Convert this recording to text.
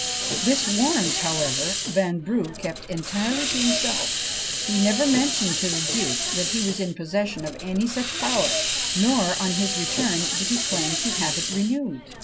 This warrant, however, Vanbrugh kept entirely to himself; he never mentioned to the duke that he was in possession of any such power; nor, on his return, did he claim to have it renewed.